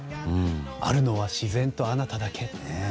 あるのは自然とあなただけ。